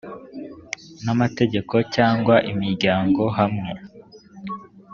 n amategeko cyangwa imiryango hamwe